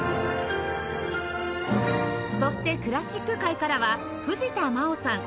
そしてクラシック界からは藤田真央さん